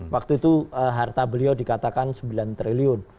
waktu itu harta beliau dikatakan sembilan triliun